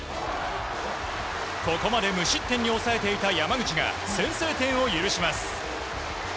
ここまで無失点に抑えていた山口が先制点を許します。